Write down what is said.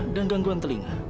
dan gangguan tubuhnya